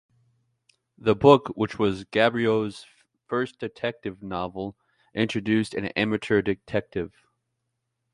The book, which was Gaboriau's first detective novel, introduced an amateur detective.